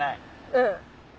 うん。